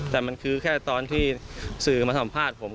แต่มันคือแค่ตอนที่สื่อมาสัมภาษณ์ผม